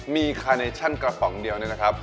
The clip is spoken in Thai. มีคาเนชั่นกระป๋องเดียวเนี่ยนะครับ